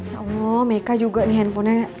ya allah meka juga nih handphonenya